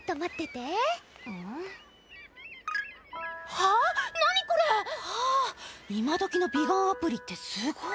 はあ今どきの美顔アプリってすごっ。